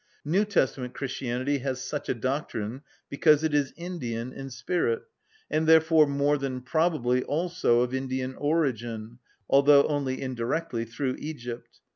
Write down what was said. New Testament Christianity has such a doctrine because it is Indian in spirit, and therefore more than probably also of Indian origin, although only indirectly, through Egypt.